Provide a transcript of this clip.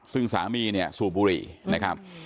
ซึ่งสามีเนี่ยสูบบุหรี่นะครับ